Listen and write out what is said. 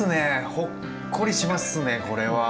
ほっこりしますねこれは。